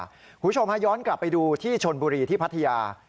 คุณผู้ชมฮะย้อนกลับไปดูที่ชนบุรีที่พัทยา